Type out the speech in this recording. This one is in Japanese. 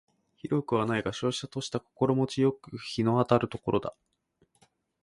広くはないが瀟洒とした心持ち好く日の当たる所だ